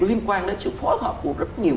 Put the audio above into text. liên quan đến sự phối hợp của rất nhiều